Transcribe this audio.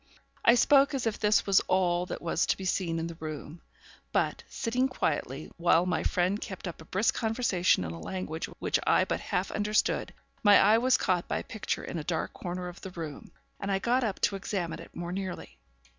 I spoke as if this was all that was to be seen in the room; but, sitting quietly, while my friend kept up a brisk conversation in a language which I but half understood, my eye was caught by a picture in a dark corner of the room, and I got up to examine it more nearly.